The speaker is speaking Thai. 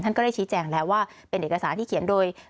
ก็ได้ชี้แจงแล้วว่าเป็นเอกสารที่เขียนโดย